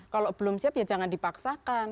kalau belum siap ya jangan dipaksakan